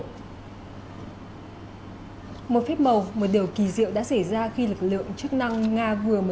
có một phép màu một điều kỳ diệu đã xảy ra khi lực lượng chức năng nga vừa mới tìm thấy một phép màu